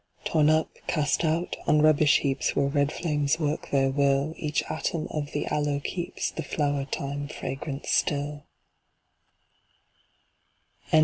Torn up, cast out, on rubbish heaps where red flames work their will Each atom of the Aloe keeps the flower time fragrance still.